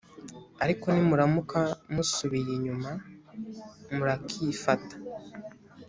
ariko nimuramuka musubiye inyuma murakifata.